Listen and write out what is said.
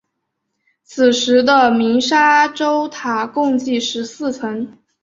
此时的鸣沙洲塔共计十四层。